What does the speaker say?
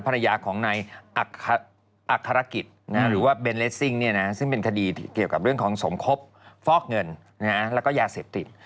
ภรรยาของนายอัครกิจหรือว่าเบนเลสซิ่งซึ่งเป็นคดีเกี่ยวกับเรื่องของสมคบฟอกเงินแล้วก็ยาเสพติด